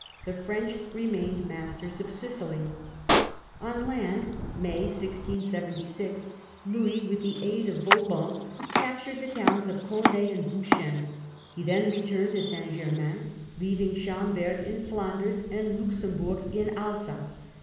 The French remained masters of Sicily. On land (May 1676) Louis, with the aid of Vauban, captured the towns of Conde and Bouchain ; he then returned to St. Germain, leaving Schomberg in Flanders and Luxemburg in Alsace.